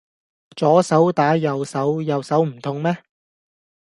左手打右手，右手唔痛咩